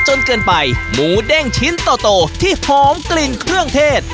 จนเกินไปหมูเด้งชิ้นโตที่หอมกลิ่นเครื่องเทศ